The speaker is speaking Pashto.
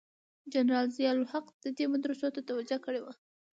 جنرال ضیأ الحق دې مدرسو ته توجه کړې وه.